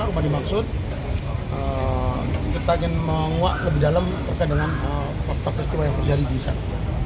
kepada maksud kita ingin menguak lebih dalam dengan faktor peristiwa yang terjadi di jisab